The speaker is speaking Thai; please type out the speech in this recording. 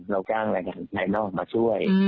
เราจ้างแรงงานภายนอกมาช่วย